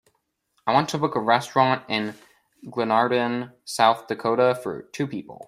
I want to book a restaurant in Glenarden South Dakota for two people.